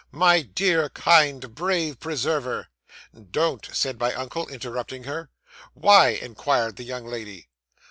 "My dear, kind, brave preserver!" '"Don't," said my uncle, interrupting her. '"'Why?" inquired the young lady.